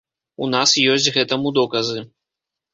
У нас ёсць гэтаму доказы.